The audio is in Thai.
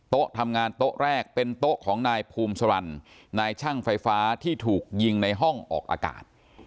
ทำงานโต๊ะแรกเป็นโต๊ะของนายภูมิสรรค์นายช่างไฟฟ้าที่ถูกยิงในห้องออกอากาศ